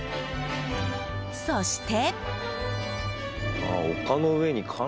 そして。